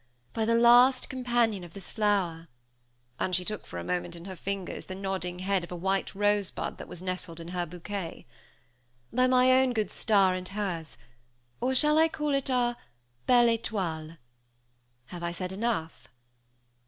By the last companion of this flower!" and she took for a moment in her fingers the nodding head of a white rosebud that was nestled in her bouquet. "By my own good star, and hers or shall I call it our 'belle étoile?' Have I said enough?"